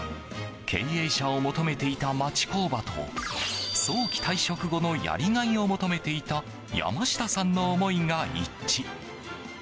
経営者を求めていた町工場と早期退職後のやりがいを求めていた山下さんの思いが一致。